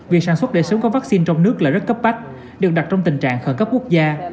việc sản xuất để sớm có vaccine trong nước là rất cấp bách được đặt trong tình trạng khẩn cấp quốc gia